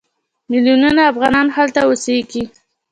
میلیونونه افغانان هلته اوسېږي.